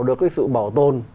được cái sự bảo tồn